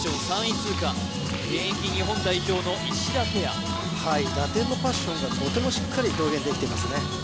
３位通過現役日本代表の石田ペアはいラテンのパッションがとてもしっかり表現できていますね